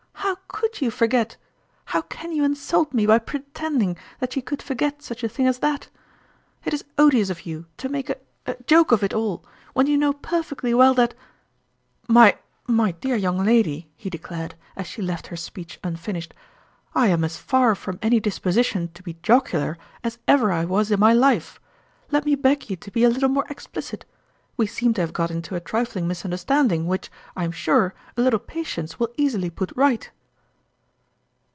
u How could you forget how can you insult me by pretending that you could forget such a thing as that ? It is odious of you to make a a joke of it all, when you know per fectly well that" " My my dear young lady !" he declared, as she left her speech unfinished, " I am as far from any disposition to be jocular as ever I was in my life. Let me beg you to be a little more explicit. We seem to have got into a trifling misunderstanding, w T hich, I am sure, a little patience will easily put right."